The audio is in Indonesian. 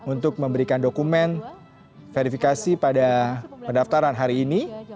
untuk memberikan dokumen verifikasi pada pendaftaran hari ini